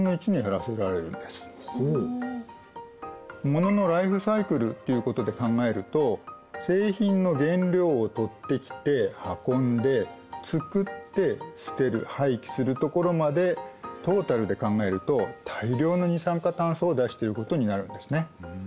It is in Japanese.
モノのライフサイクルっていうことで考えると製品の原料を取ってきて運んで作って捨てる廃棄するところまでトータルで考えると大量の二酸化炭素を出していることになるんですね。